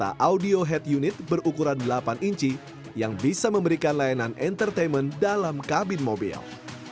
adalah audio head unit berukuran delapan inci yang bisa memberikan layanan entertainment dalam kabin mobil